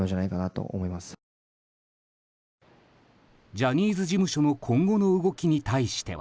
ジャニーズ事務所の今後の動きに対しては。